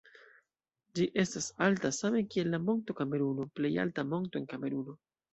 Ĝi estas alta, same kiel la Monto Kameruno, plej alta monto en Kameruno.